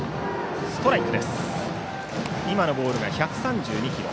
今のボールが１３２キロ。